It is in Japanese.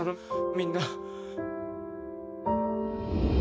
みんな